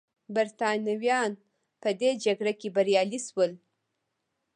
برېټانویان په دې جګړه کې بریالي شول.